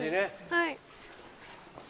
はい。